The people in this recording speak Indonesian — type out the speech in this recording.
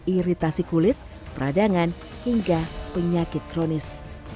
iritasi kulit peradangan hingga penyakit kronis